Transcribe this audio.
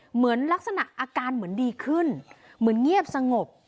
เหมือนลักษณะอาการเหมือนดีขึ้นเหมือนเงียบสงบ